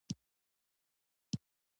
توري په شنه رنګ کې تاو شوي وو